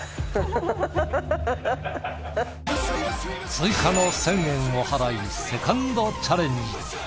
追加の１，０００円を払いセカンドチャレンジ。